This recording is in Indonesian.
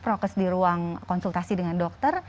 prokes di ruang konsultasi dengan dokter